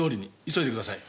急いでください。